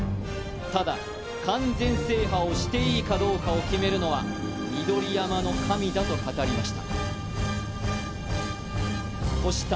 ただ、完全制覇をしていいかどうかを決めるのは緑山の神だと語りました。